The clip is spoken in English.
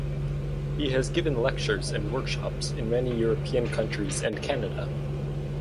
He has given lectures and workshops in many European countries and Canada.